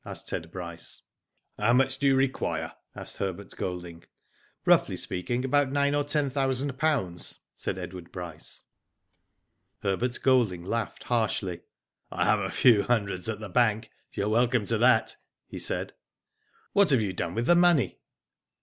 " asked Ted Bryce. How much do you require?" asked Herbert Golding. " Roughly speaking about nine or ten thousand pounds," said Edward Bryce. Herbert Golding laughed harshly. •* I have a few hundreds at the bank, you are welcome to that," he said. '* What have you done with the money